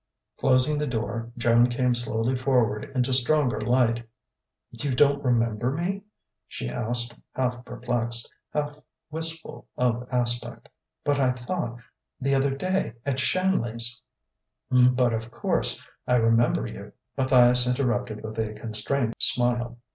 Closing the door, Joan came slowly forward into stronger light. "You don't remember me?" she asked, half perplexed, half wistful of aspect. "But I thought the other day at Shanley's " "But of course I remember you," Matthias interrupted with a constrained smile.